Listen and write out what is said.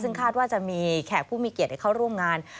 ซึ่งคาดว่าจะมีแขกผู้มีเกียรติให้เข้าร่วมงาน